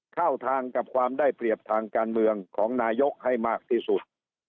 เข้าทางกับความได้เปรียบทางการเมืองของนายกให้มากที่สุด